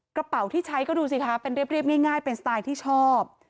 กระเป๋าที่ใช้ก็ดูสิคะเป็นเรียบง่ายเป็นสไตล์ที่ชอบ